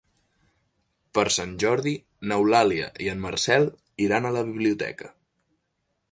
Per Sant Jordi n'Eulàlia i en Marcel iran a la biblioteca.